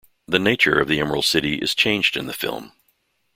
The nature of the Emerald City is changed in the film.